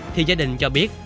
thì gia đình cho biết